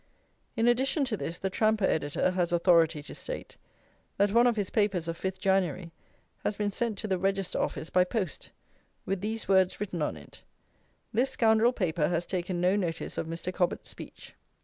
In addition to this The Tramper editor has "authority" to state, that one of his papers of 5th Jan. has been sent to the Register office by post, with these words written on it: "This scoundrel paper has taken no notice of Mr. Cobbett's speech."